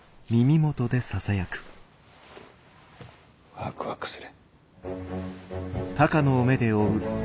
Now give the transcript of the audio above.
ワクワクする。